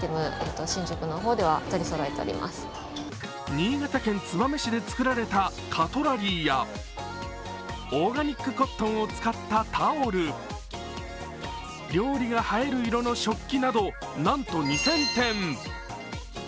新潟県燕市でつくられたカトラリーやオーガニックコットンを使ったタオル、料理が映える色の食器など、なんと２０００点。